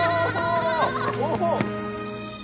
お。